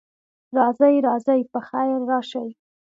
راځئ، راځئ، پخیر راشئ.